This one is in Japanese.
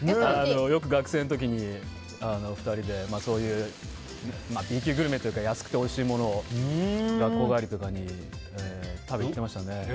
よく学生の時に２人でそういうＢ級グルメというか安くておいしいものを学校帰りとかに食べに行きましたね。